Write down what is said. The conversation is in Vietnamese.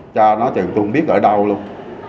cha nó chẳng tôi cũng biết ở đâu luôn